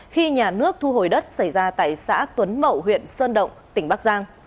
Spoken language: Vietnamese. khi nhà nước thu hồi đất xảy ra tại xã tuấn mậu huyện sơn động tỉnh bắc giang